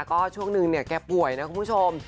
ก็ช่วงนึงแก่ป่วยนะคุณผู้ชม